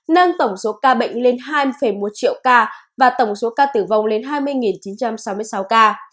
nâng tổng số ca bệnh lên hai một triệu ca và tổng số ca tử vong lên hai mươi chín trăm sáu mươi sáu ca